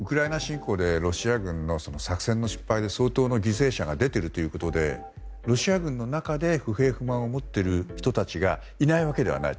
ロシア軍はウクライナへの侵攻で相当の犠牲者が出ているということでロシア軍の中で不平不満を持っている人たちがいないわけではない。